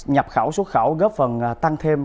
nhập khẩu xuất khẩu góp phần tăng thêm